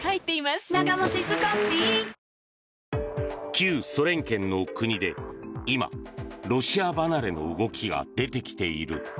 旧ソ連圏の国で今、ロシア離れの動きが出てきている。